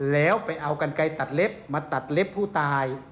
แล้วไปเอากันไกลตัดเล็บมาตัดเล็บผู้ตาย